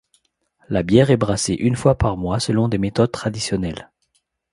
La bière est brassée une fois par mois selon des méthodes traditionnelles.